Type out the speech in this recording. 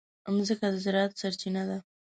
مځکه د زراعت سرچینه ده.